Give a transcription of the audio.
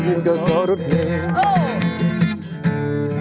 มีคนเดียว